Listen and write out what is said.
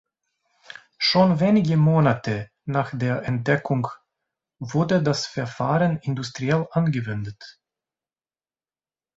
Schon wenige Monate nach der Entdeckung wurde das Verfahren industriell angewendet.